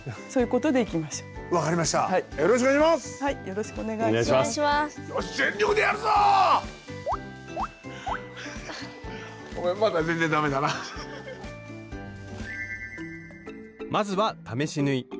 よしまずは試し縫い。